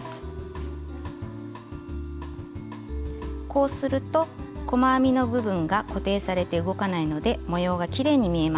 こうすると細編みの部分が固定されて動かないので模様がきれいに見えます。